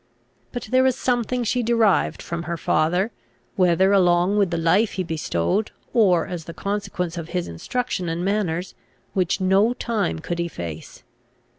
But there was something she derived from her father, whether along with the life he bestowed, or as the consequence of his instruction and manners, which no time could efface.